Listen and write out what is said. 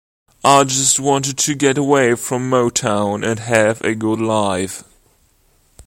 I just wanted to get away from Motown and have a good life.